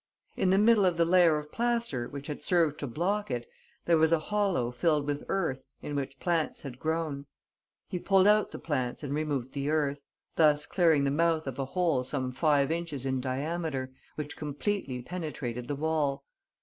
In the middle of the layer of plaster, which had served to block it, there was a hollow filled with earth in which plants had grown. He pulled out the plants and removed the earth, thus clearing the mouth of a hole some five inches in diameter, which completely penetrated the wall.